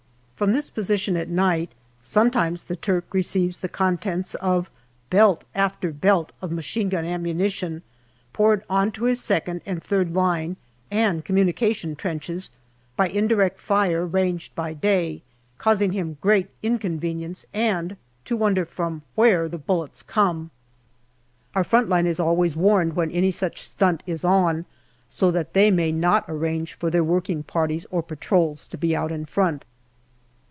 From this position at night sometimes the Turk receives the contents of belt after belt of machine gun ammunition poured on to his second and third line and communication trenches by indirect fire, ranged by day, causing him great inconvenience and to wonder from where the bullets come. Our front line is always warned when any such stunt is on, so that they may not arrange for their working parties or patrols to be out in front.